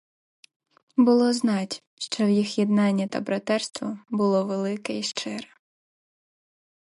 Було знать, що в їх єднання та братерство було велике й щире.